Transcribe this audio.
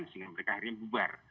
sehingga mereka harian bubar